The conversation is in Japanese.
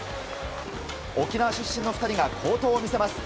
沖縄出身の２人が好投を見せます。